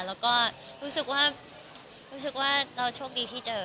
แล้วก็รู้สึกว่าเราโชคดีที่เจอ